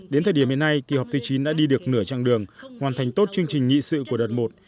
đến thời điểm hiện nay kỳ họp thứ chín đã đi được nửa chặng đường hoàn thành tốt chương trình nghị sự của đợt một